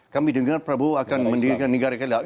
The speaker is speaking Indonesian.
kami dengar prabowo akan mendirikan negara